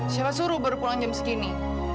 siapa suruh baru pulang jam segini